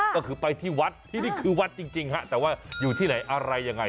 ก็คือไปที่วัดที่นี่คือวัดจริงฮะแต่ว่าอยู่ที่ไหนอะไรยังไง